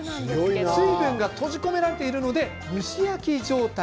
水分が閉じ込められているので蒸し焼き状態。